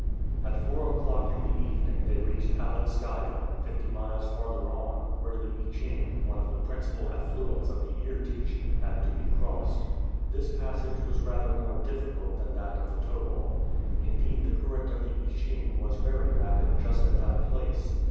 At four o'clock in the evening they reached Abatskaia, fifty miles farther on, where the Ichim, one of the principal affluents of the Irtych, had to be crossed. This passage was rather more difficult than that of the Tobol. Indeed the current of the Ichim was very rapid just at that place.